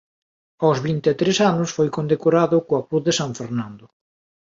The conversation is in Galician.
Aos vinte e tres anos foi condecorado coa Cruz de San Fernando.